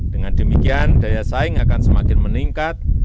dengan demikian daya saing akan semakin meningkat